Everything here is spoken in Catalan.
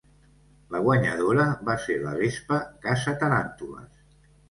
La guanyadora va ser la vespa caça-taràntules.